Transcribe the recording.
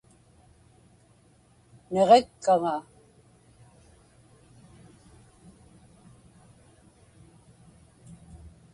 Niġikkaŋa.